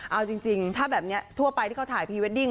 เอาจริงถ้าแบบนี้ทั่วไปที่เขาถ่ายพรีเวดดิ้ง